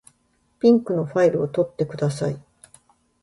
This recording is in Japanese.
ピンクのファイルを取ってください。